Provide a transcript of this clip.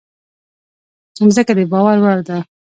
مځکه د باور وړ ده.